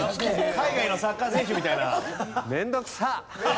海外のサッカー選手みたいな。